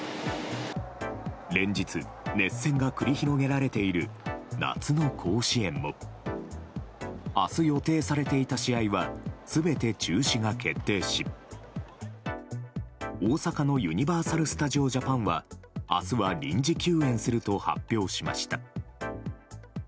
連日、熱戦が繰り広げられている夏の甲子園も明日予定されていた試合は全て中止が決定し大阪のユニバーサル・スタジオ・ジャパンは明日は臨時休園すると発表しました。